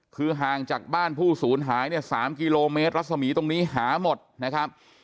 คือห่างจากบ้านผู้สูญหายเนี่ย๓กิโลเมตรรัศมีตรงนี้หาหมดนะครับ